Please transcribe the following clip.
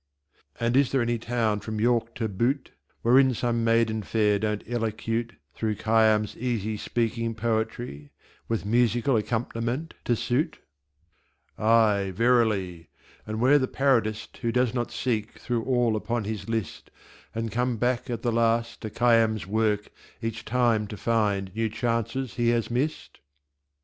And is there any town from York to Butte Wherein some Maiden fair don't Elocute Through Khayyam's easy speaking poetry, With Musical Accomp'niment to suit? Aye, verily! And where the Parodist Who does not seek through all upon his List And come back at the last to Khayyam's work Each time to find New Chances he has missed?